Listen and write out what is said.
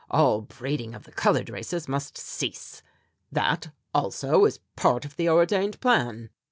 All breeding of the coloured races must cease. That, also, is part of the ordained plan."